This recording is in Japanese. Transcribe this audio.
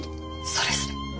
それそれ。